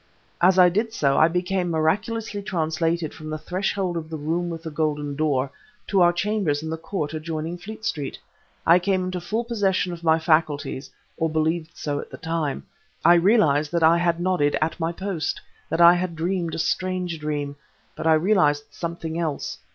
As I did so, I became miraculously translated from the threshold of the room with the golden door to our chambers in the court adjoining Fleet Street; I came into full possession of my faculties (or believed so at the time); I realized that I had nodded at my post, that I had dreamed a strange dream ... but I realized something else.